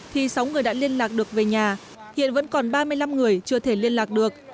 thì sáu người đã liên lạc được về nhà hiện vẫn còn ba mươi năm người chưa thể liên lạc được